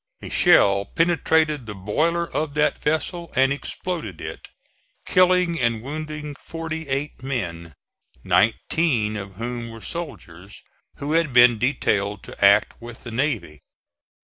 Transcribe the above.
A shell penetrated the boiler of that vessel and exploded it, killing and wounding forty eight men, nineteen of whom were soldiers who had been detailed to act with the navy.